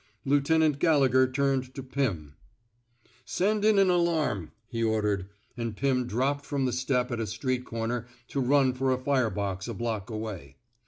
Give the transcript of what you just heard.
Lieutenant Gallegher turned to Pirn. Send in an alarm,'* he ordered, and Pim dropped from the step at a street corner to run for a fire box a block away.